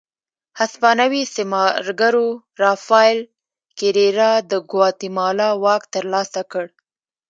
هسپانوي استعمارګرو رافایل کېریرا د ګواتیمالا واک ترلاسه کړ.